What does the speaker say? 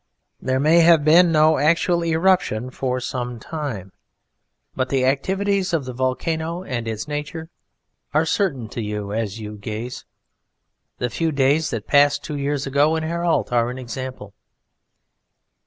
There may have been no actual eruption for some time, but the activities of the volcano and its nature are certain to you as you gaze. The few days that passed two years ago in Herault are an example.